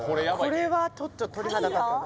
これはちょっと鳥肌たったな